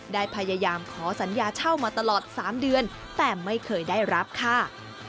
ได้พยายามขอสัญญาเช่ามาตลอด๓เดือนแต่ไม่เคยได้รับค่ะ